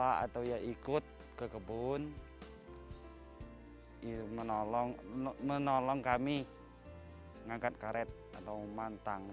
atau ya ikut ke kebun menolong kami mengangkat karet atau mantang